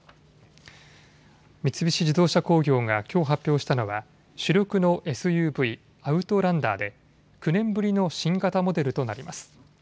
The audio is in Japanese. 三菱自動車工業がきょう発表したのは主力のＳＵＶ、アウトランダーで９年ぶりの新型モデルとなります。